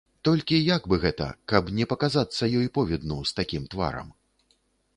Толькі як бы гэта, каб не паказацца ёй повідну з такім тварам?